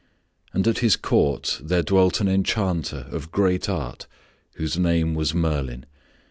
And at his court there dwelt an enchanter of great art whose name was Merlin.